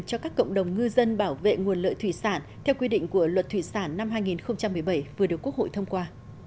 cho các cộng đồng ngư dân bảo vệ nguồn lợi thủy sản theo quy định của luật thủy sản năm hai nghìn một mươi bảy vừa được quốc hội thông qua